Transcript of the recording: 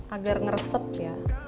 agar ngereset ya